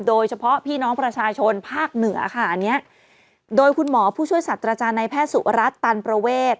โดยเฉพาะพี่น้องประชาชนภาคเหนือค่ะอันนี้โดยคุณหมอผู้ช่วยสัตว์อาจารย์ในแพทย์สุรัตนตันประเวท